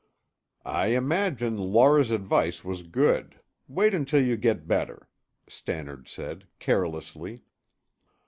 "I imagine Laura's advice was good; wait until you get better," Stannard said carelessly.